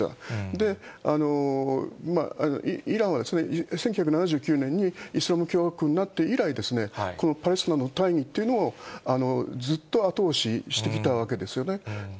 で、イランは１９７９年にイスラム共和国になって以来、このパレスチナの大義というのをずっと後押ししてきたわけですよね。